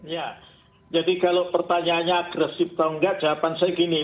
ya jadi kalau pertanyaannya agresif atau enggak jawaban saya gini